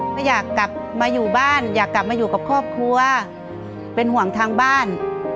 ไม่อยากกลับมาอยู่บ้านอยากกลับมาอยู่กับครอบครัวเป็นห่วงทางบ้าน